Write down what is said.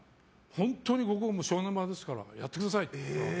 本当にここは正念場ですからやってくださいって。